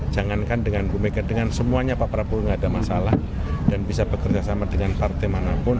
jangankan dengan bu mega dengan semuanya pak prabowo tidak ada masalah dan bisa bekerja sama dengan partai manapun